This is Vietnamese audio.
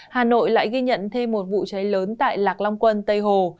hà nội lại ghi nhận thêm một vụ cháy lớn tại lạc long quân tây hồ